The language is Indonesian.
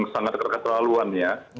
sangat terlaluan ya